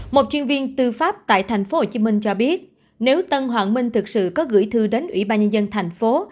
một chuyên viên tư pháp tại tp hcm cho biết nếu tân hoàng minh thực sự có gửi thư đến ủy ban nhân dân thành phố